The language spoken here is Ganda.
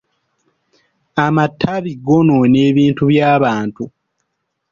Amatabi goonoona ebintu by'abantu.